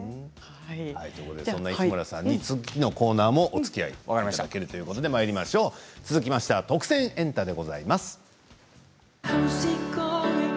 そんな磯村さんに次のコーナーもおつきあいいただけるということで「特選！エンタ」です。